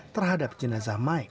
terhadap jenazah mike